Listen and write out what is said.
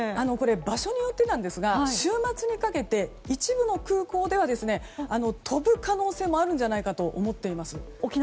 場所によってですが週末にかけて一部の空港では飛ぶ可能性もあるんじゃないかと思っています。